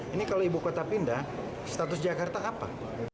ini kalau ibu kota pindah status jakarta apa